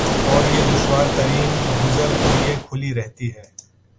اور یہ دشوار ترین گزر لئے کھلی رہتی ہے ۔